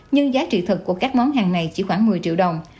nhưng giá trị thực của các món hàng này chỉ khoảng một mươi triệu đồng